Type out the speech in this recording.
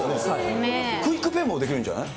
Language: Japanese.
クイックペイもできるんじゃない？